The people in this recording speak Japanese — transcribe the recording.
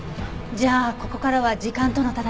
じゃあここからは時間との闘い。